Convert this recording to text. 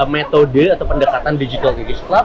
metode atau pendekatan digital divis club